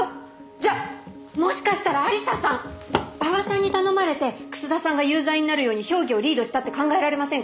じゃあもしかしたら愛理沙さん馬場さんに頼まれて楠田さんが有罪になるように評議をリードしたって考えられませんか？